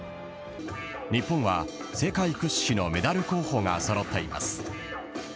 日本は世界屈指のメダル候補が揃っています。